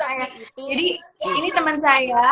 saya jadi ini temen saya